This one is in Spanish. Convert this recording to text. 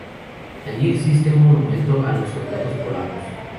Allí existe un monumento a los soldados polacos.